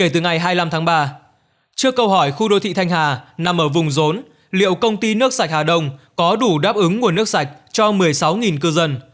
trước câu hỏi khu đô thị thanh hà nằm ở vùng rốn liệu công ty nước sạch hà đông có đủ đáp ứng nguồn nước sạch cho một mươi sáu cư dân